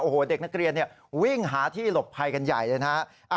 โอ้โหเด็กนักเรียนวิ่งหาที่หลบภัยกันใหญ่เลยนะฮะ